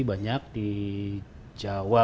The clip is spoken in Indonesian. banyak di jawa